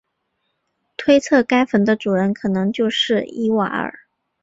推测该坟的主人可能就是伊瓦尔。